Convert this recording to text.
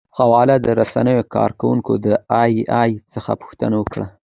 خواله رسنیو کاروونکو د اې ای څخه پوښتنه وکړه.